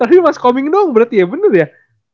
tapi mas koming doang berarti ya bener ya